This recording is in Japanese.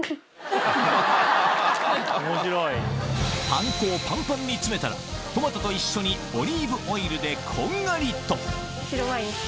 パン粉をパンパンに詰めたらトマトと一緒にオリーブオイルでこんがりと白ワイン？